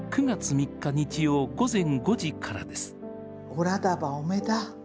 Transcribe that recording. おらだばおめだ。